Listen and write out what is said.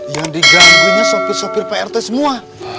yang diganggunya sopir sopir prt semua